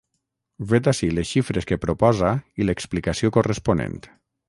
Vet ací les xifres que proposa i l’explicació corresponent.